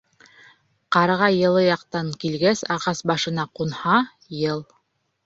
Ҡарға йылы яҡтан килгәс ағас башына ҡунһа, йыл